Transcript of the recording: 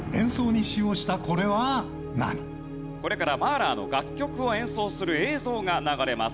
これからマーラーの楽曲を演奏する映像が流れます。